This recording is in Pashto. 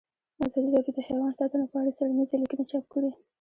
ازادي راډیو د حیوان ساتنه په اړه څېړنیزې لیکنې چاپ کړي.